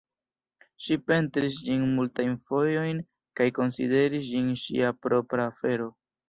Ŝi pentris ĝin multajn fojojn kaj konsideris ĝin ŝia propra afero.